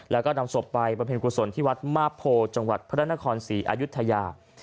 แล้วก็นำศพไปบำเพ็ญกุศลที่วัดมาพโพจังหวัดพระนครศรีอายุทยา